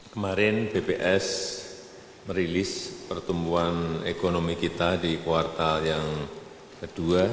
kemarin bps merilis pertumbuhan ekonomi kita di kuartal yang kedua